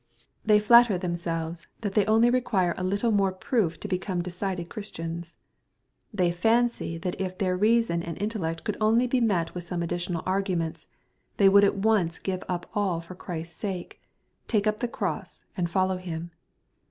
They flatter themselves that they only require a little more proof to become decided Christians. They fancy that if their reason and intellect could only be met with some additional arguments, they would at once give up all for Christ's sake, take up the cross, and follow Him.